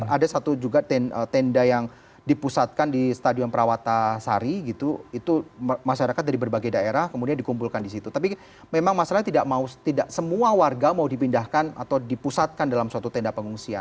ada satu juga tenda yang dipusatkan di stadion perawata sari gitu itu masyarakat dari berbagai daerah kemudian dikumpulkan di situ tapi memang masalahnya tidak mau tidak semua warga mau dipindahkan atau dipusatkan dalam suatu tenda pengungsian